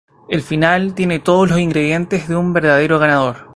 El final tiene todos los ingredientes de un verdadero ganador.